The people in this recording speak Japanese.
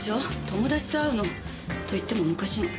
友達と会うの。といっても昔の。